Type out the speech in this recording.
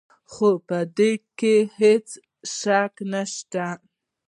خو په دې کې هېڅ شک نشته.